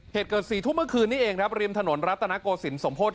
เหตุเกิดสี่ทุ่งเมื่อคืนนี้เองนะครับริมถนนรัฐนาโกสินสมโภชน์